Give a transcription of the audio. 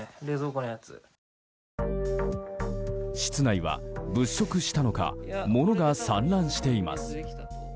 室内は、物色したのか物が散乱しています。